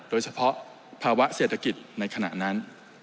โดยเฉพาะภาวะเศรษฐกิจในขณะนั้น